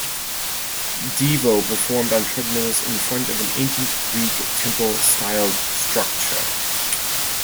Devo performed on treadmills in front of an Ancient Greek temple styled structure.